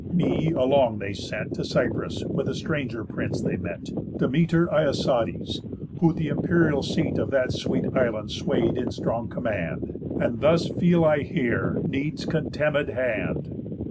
Me along they sent To Cyprus with a stranger prince they met, Dmetor Iasides, who th' imperial seat Of that sweet island sway'd in strong command. And thus feel I here need's contemned hand."